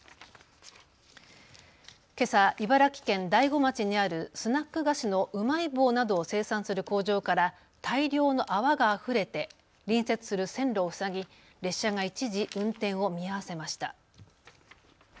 けさ茨城県大子町にあるスナック菓子のうまい棒などを生産する工場から大量の泡があふれて隣接する線路を塞ぎ列車が一時運転を見合わせました。